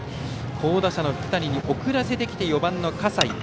好打者の福谷に送らせてきて４番の笠井。